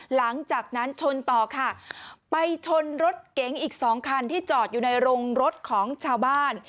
หลังจากนั้นชนต่อค่ะไปชนรถเก๋งอีกสองคันที่จอดอยู่ในโรงรถของชาวบ้าน